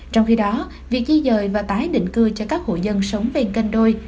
trong khi đó việc di rời và tái định cư cho các hội dân sống ven kênh đôi